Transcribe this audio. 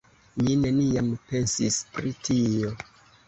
Mi neniam pensis pri tio.